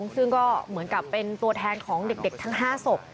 ซึ่งก็เหมือนกับเป็นตัวแทนของเด็กทั้ง๕ศพ